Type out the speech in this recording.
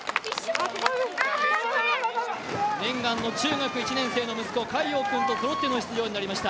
念願の中学１年生の息子塊王君とそろっての出場となりました。